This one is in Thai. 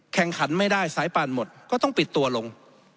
ขันไม่ได้สายป่านหมดก็ต้องปิดตัวลง